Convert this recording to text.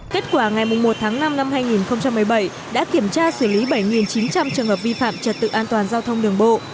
kết quả ngày một tháng năm năm hai nghìn một mươi bảy đã kiểm tra xử lý bảy chín trăm linh trường hợp vi phạm trật tự an toàn giao thông đường bộ